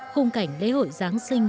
khung cảnh lễ hội giáng sinh